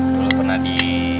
dulu pernah di